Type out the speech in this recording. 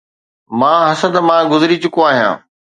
مان حسد مان گذري چڪو آهيان